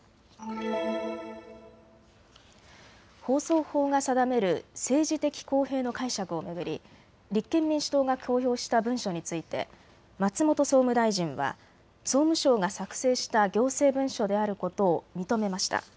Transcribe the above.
放送法が定める政治的公平の解釈を巡り立憲民主党が公表した文書について松本総務大臣は総務省が作成した行政文書であることを認めました。